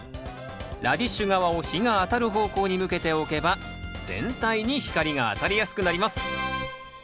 ラディッシュ側を日が当たる方向に向けて置けば全体に光が当たりやすくなります。